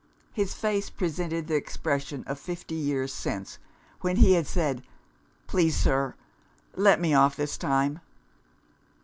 his face presented the expression of fifty years since, when he had said, "Please, sir, let me off this time!"